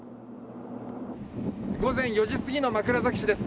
午前４時すぎの枕崎市です。